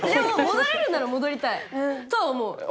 でも戻れるんなら戻りたいとは思う。